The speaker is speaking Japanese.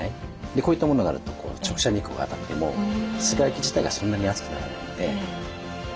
こういったものがあると直射日光が当たっても室外機自体がそんなに熱くならないんで。